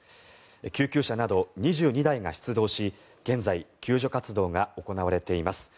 救急車など２２台が出動し現在、救助活動が行われています。